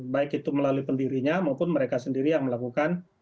baik itu melalui pendirinya maupun mereka sendiri yang melakukan